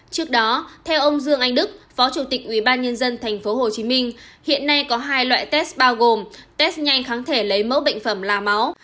trước đó theo ông dương anh đức phó chủ tịch ubnd tp hcm hiện nay có hai loại test bao gồm test nhanh kháng thể lấy mẫu bệnh phẩm là máu